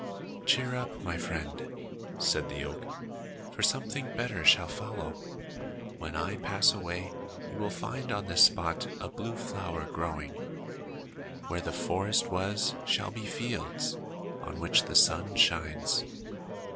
"Cheer up, my friend," said the oak, "for something better shall follow. When I pass away, you will find on this spot a blue flower growing. Where the forest was shall be fields, on which the sun shines.